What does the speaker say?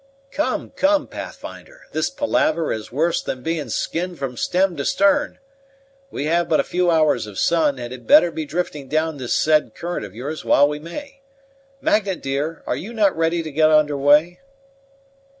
"Come, come, Pathfinder, this palaver is worse than being skinned from stem to stem; we have but a few hours of sun, and had better be drifting down this said current of yours while we may. Magnet dear, are you not ready to get under way?"